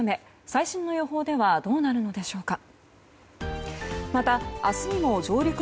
最新の予報ではどうなるのでしょうか。